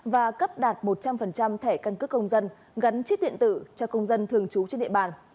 và cấp đạt một trăm linh thẻ căn cước công dân gắn chip điện tử cho công dân thường trú trên địa bàn